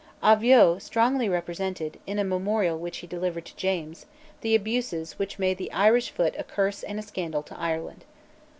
Avaux strongly represented, in a memorial which he delivered to James, the abuses which made the Irish foot a curse and a scandal to Ireland.